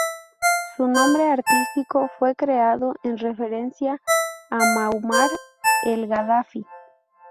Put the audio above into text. Su nombre artístico fue creado en referencia a Muamar el Gadafi.